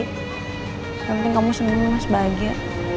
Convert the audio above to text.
yang penting kamu semua mas bahagia